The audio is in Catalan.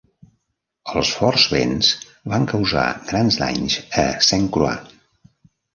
Els forts vents van causar grans danys a Saint Croix.